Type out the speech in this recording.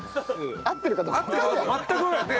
合ってるかどうか全く。